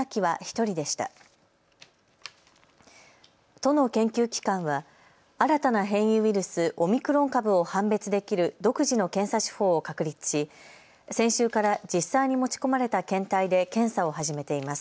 都の研究機関は新たな変異ウイルス、オミクロン株を判別できる独自の検査手法を確立し先週から実際に持ち込まれた検体で検査を始めています。